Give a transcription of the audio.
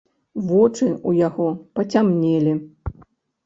Вочы ў яго пацямнелі.